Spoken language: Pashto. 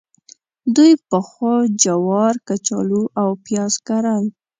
دوی پخوا جوار، کچالو او پیاز کرل.